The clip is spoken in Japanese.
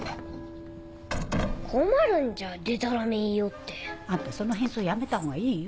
困るんじゃデタラメ言いおって。あんたその変装やめたほうがいいよ。